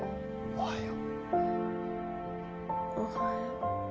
おはよう。